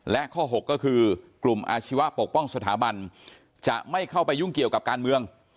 และข้อ๖ก็คือกลุ่มอาชีวะปกป้องสถาบันจะไม่เข้าไปยุ่งเกี่ยวกับการเมือง